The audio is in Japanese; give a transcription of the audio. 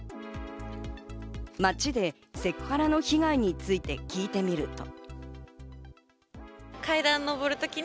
街でセクハラの被害について聞いてみると。